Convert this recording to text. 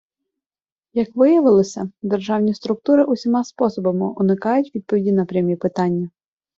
Як виявилося, державні структури усіма способами уникають відповіді на прямі питання.